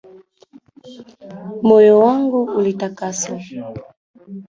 Moyo wangu ulitakaswa.